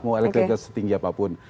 mau elektrik setinggi apapun